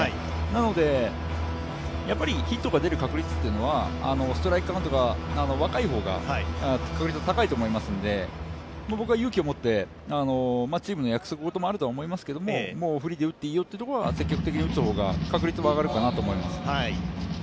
なので、ヒットが出る確率はストライクカウント、若い方が確率が高いと思いますので、僕は勇気を持って、チームの約束事もあると思いますけどフリーで打っていいよという方が積極的に打つ方が確率も上がると思います。